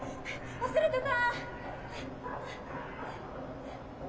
忘れてた！